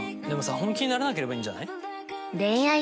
でもさ本気にならなければいいんじゃない？」